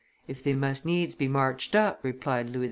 "If they must needs be marched up," replied Louis XV.